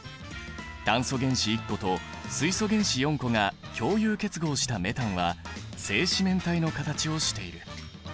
炭素原子１個と水素原子４個が共有結合したメタンは正四面体の形をしている。